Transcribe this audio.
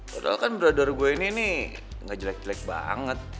padahal kan brother gue ini nih gak jelek jelek banget